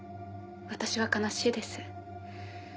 私は悲しいです。